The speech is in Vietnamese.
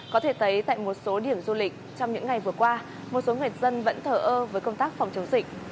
có thể thấy tại một số điểm du lịch trong những ngày vừa qua một số người dân vẫn thở ơ với công tác phòng chống dịch